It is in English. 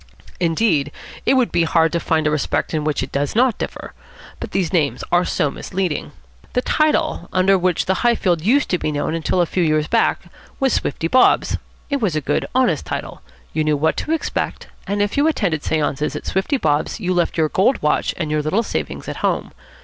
Indeed, it would be hard to find a respect in which it does not differ. But these names are so misleading. The title under which the Highfield used to be known till a few years back was "Swifty Bob's." It was a good, honest title. You knew what to expect; and if you attended séances at Swifty Bob's you left your gold watch and your little savings at home.